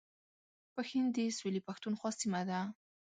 پښین د سویلي پښتونخوا سیمه ده